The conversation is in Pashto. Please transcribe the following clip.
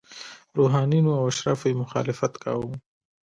روحانینو او اشرافو یې مخالفت کاوه.